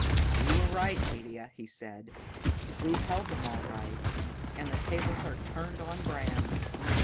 "You were right, Haidia," he said. "We've held them all right, and the tables are turned on Bram.